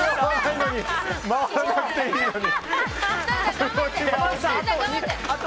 回らなくていいのに。